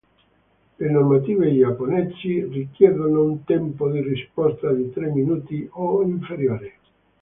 Le normative giapponesi richiedono un tempo di risposta di tre minuti o inferiore.